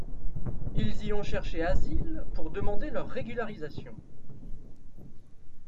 Il y ont cherché asile pour demander leur régularisation.